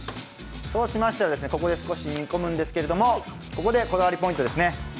そうしましたらここで少し煮込むんですけど、ここでこだわりポイントです。